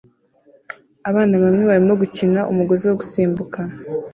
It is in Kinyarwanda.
Abana bamwe barimo gukina umugozi wo gusimbuka